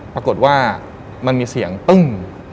ปรากฏว่ามันมีเสียงตึ้ง